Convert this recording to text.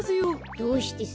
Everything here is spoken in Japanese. どうしてさ。